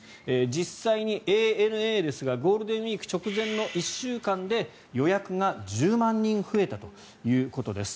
実際にＡＮＡですがゴールデンウィーク直前の１週間で予約が１０万人増えたということです。